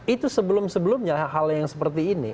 itu sebelum sebelumnya hal yang seperti ini